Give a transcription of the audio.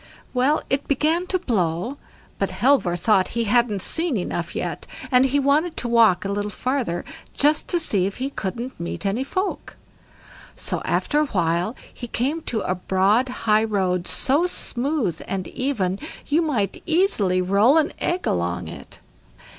Well, it began to blow, but Halvor thought he hadn't seen enough yet, and he wanted to walk a little farther just to see if he couldn't meet any folk. So after a while he came to a broad high road, so smooth and even, you might easily roll an egg along it.